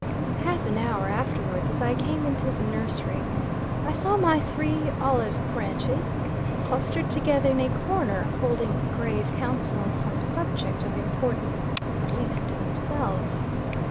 Half an hour afterwards, as I came into the nursery, I saw my three "olive branches," clustered together in a corner, holding grave counsel on some subject of importance; at least to themselves.